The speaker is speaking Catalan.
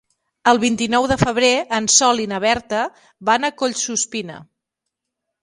El vint-i-nou de febrer en Sol i na Berta van a Collsuspina.